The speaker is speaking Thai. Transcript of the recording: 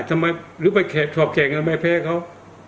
ไม่ได้สำไมหรือว่าแขกหรือถอดแกรงงานไม่แพ้เขา